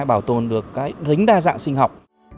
bảo tồn được gánh đa dạng sinh học